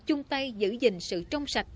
chung tay giữ gìn sự trông sạch